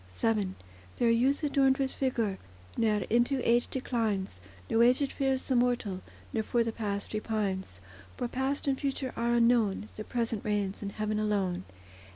VII There youth adorned with vigour Ne'er into age declines; No aged fears the mortal, Nor for the past repines; For past and future are unknown: The present reigns in heaven alone.